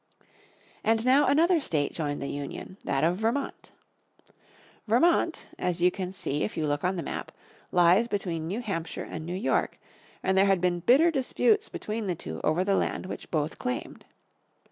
And now another state joined the union, that of Vermont. Vermont, as you can see if you look on the map, lies between New Hampshire and New York, and there had been bitter disputes between the two over the land which both claimed.